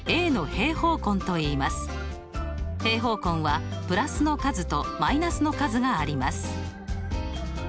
平方根はプラスの数とマイナスの数があります。